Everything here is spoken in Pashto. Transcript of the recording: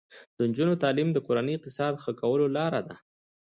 د نجونو تعلیم د کورنۍ اقتصاد ښه کولو لاره ده.